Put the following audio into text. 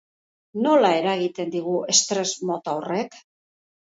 Nola eragiten digu estres mota horrek?